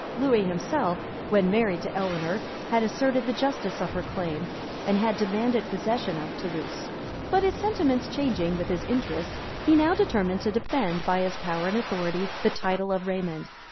Lewis himself, when married to Eleanor, had asserted the justice of her claim, and had demanded possession of Toulouse; but his sentiments changing with his interest, he now determined to defend, by his power and authority, the title of Raymond.